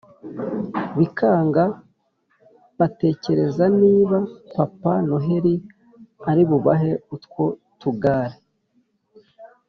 bikanga batekereza niba papa noheli ari bubahe utwo tugare.